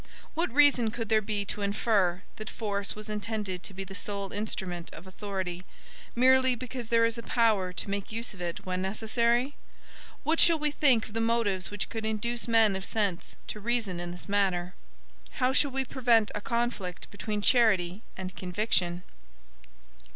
What reason could there be to infer, that force was intended to be the sole instrument of authority, merely because there is a power to make use of it when necessary? What shall we think of the motives which could induce men of sense to reason in this manner? How shall we prevent a conflict between charity and conviction?